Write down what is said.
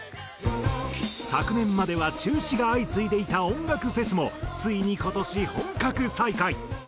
昨年までは中止が相次いでいた音楽フェスもついに今年本格再開。